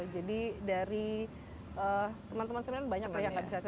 jadi dari teman teman sebenarnya banyak yang bisa saya sebutkan satu saja